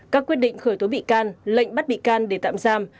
các quyết định khởi tố bị can lệnh bắt bị can để tạm giam